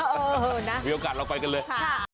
เออนะมีโอกาสเราไปกันเลย